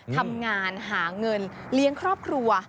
ทำงานหาเงินเลี้ยงครอบครัว